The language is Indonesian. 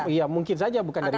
iya mungkin saja bukan dari p tiga